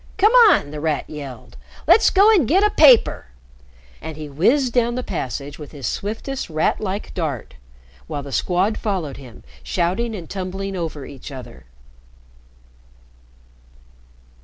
"Come on!" The Rat yelled. "Let's go and get a paper!" And he whizzed down the passage with his swiftest rat like dart, while the Squad followed him, shouting and tumbling over each other.